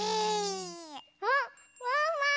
あっワンワン！